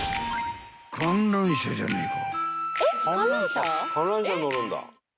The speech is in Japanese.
［観覧車じゃねえか］